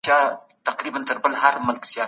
ماشوم باید پوښتنه وکړي.